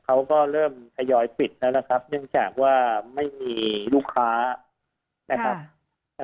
เขาก็เริ่มทยอยปิดแล้วนะครับเนื่องจากว่าไม่มีลูกค้านะครับ